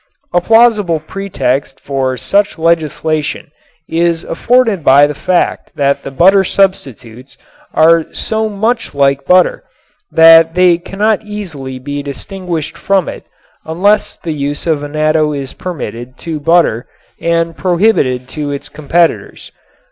A plausible pretext for such legislation is afforded by the fact that the butter substitutes are so much like butter that they cannot be easily distinguished from it unless the use of annatto is permitted to butter and prohibited to its competitors.